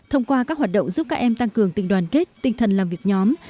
thông qua các hoạt động giúp các em tăng cường tình đoàn kết tinh thần làm việc nhóm